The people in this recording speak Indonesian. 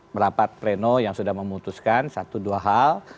merapat pleno yang sudah memutuskan satu dua hal